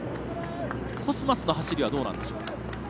コスマスの走りはどうなんでしょう。